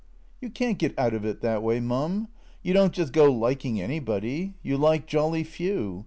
"You can't get out of it that way, Mum. You don't just go liking anybody. You like jolly few.